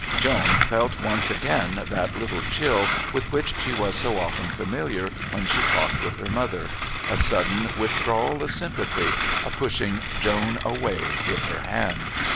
Joan felt once again that little chill with which she was so often familiar when she talked with her mother a sudden withdrawal of sympathy, a pushing Joan away with her hand.